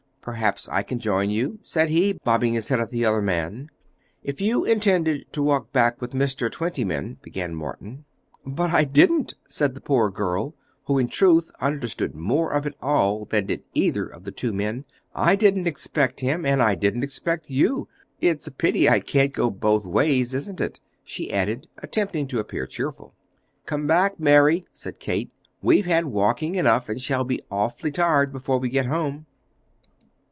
"Perhaps I can join you?" said he, bobbing his head at the other man. "If you intended to walk back with Mr. Twentyman ," began Morton. "But I didn't," said the poor girl, who in truth understood more of it all than did either of the two men. "I didn't expect him, and I didn't expect you. It's a pity I can't go both ways, isn't it?" she added, attempting to appear cheerful. "Come back, Mary," said Kate; "we've had walking enough, and shall be awfully tired before we get home."